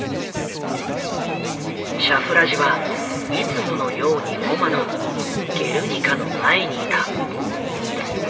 シャフラジはいつものようにＭｏＭＡの「ゲルニカ」の前に居た。